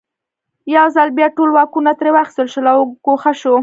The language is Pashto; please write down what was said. یو ځل بیا ټول واکونه ترې واخیستل شول او ګوښه شو.